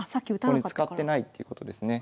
ここに使ってないっていうことですね。